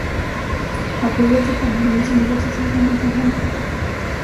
Acudió al certamen de Miss Universo, celebrado en San Juan de Puerto Rico.